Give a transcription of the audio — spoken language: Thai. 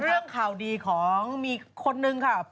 เรื่องข่าวดีของมีคนนึงค่ะ